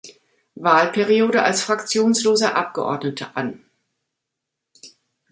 Wahlperiode als fraktionsloser Abgeordneter an.